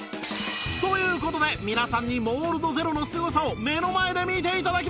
という事で皆さんにモールドゼロのすごさを目の前で見て頂きましょう